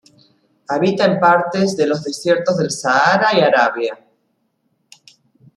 Habita en partes de los desiertos del Sáhara y Arabia.